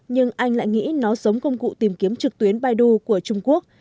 nhưng anh lại nghĩ nó giống công cụ tìm kiếm trực tuyến baidu của trung quốc